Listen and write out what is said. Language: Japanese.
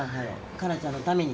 香菜ちゃんのために。